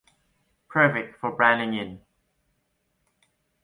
Perfect for blending in.